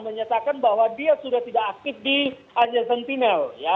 menyatakan bahwa dia sudah tidak aktif di asia sentinel